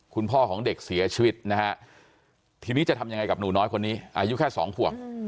คุณพ่อของเด็กเสียชีวิตนะฮะทีนี้จะทำยังไงกับหนูน้อยคนนี้อายุแค่สองขวบ